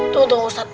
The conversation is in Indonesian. tuh tuh ustad